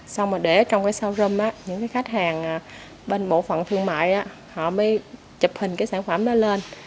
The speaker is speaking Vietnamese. xong rồi để trong cái sâu rộng á những cái khách hàng bên bộ phận thương mại á họ mới chụp hình cái sản phẩm đó lên